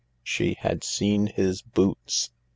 She had seen his boots.